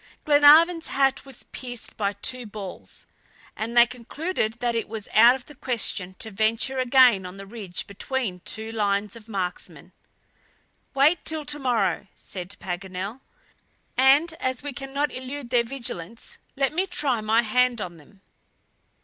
Glenarvan's hat was pierced by two balls, and they concluded that it was out of the question to venture again on the ridge between two lines of marksmen. "Wait till to morrow," said Paganel, "and as we cannot elude their vigilance, let me try my hand on them."